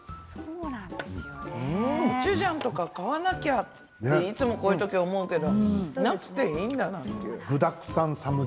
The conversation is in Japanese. コチュジャンとか買わなきゃっていつもこういう時、思うけどなくていいんだな。